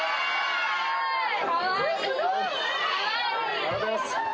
ありがとうございます。